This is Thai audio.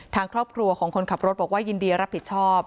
ทางครอบครัวของคนขับรถบอกว่ายินดีรับผิดชอบ